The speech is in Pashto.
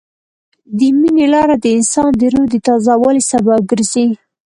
د مینې لار د انسان د روح د تازه والي سبب ګرځي.